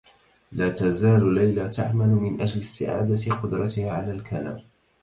لا تزال ليلى تعمل من أجل استعادة قدرتها على الكلام.